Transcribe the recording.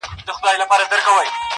• دا رومانتيك احساس دي خوږ دی گراني.